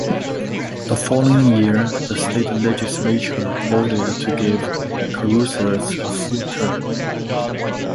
The following year, the state legislature voted to give Caruthers a full term.